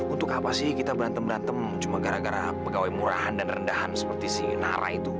untuk apa sih kita berantem berantem cuma gara gara pegawai murahan dan rendahan seperti si nara itu